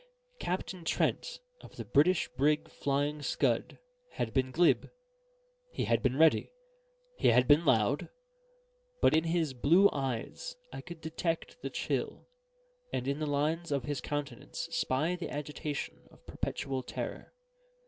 Captain Trent, of the British brig Flying Scud, had been glib; he had been ready; he had been loud; but in his blue eyes I could detect the chill, and in the lines of his countenance spy the agitation of perpetual terror.